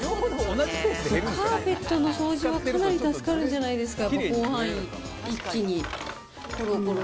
カーペットの掃除はかなり助かるんじゃないですか、やっぱり広範囲、一気に。